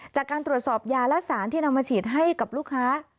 จากการตรวจสอบยาและสารที่นำมาฉีดให้กับลูกค้า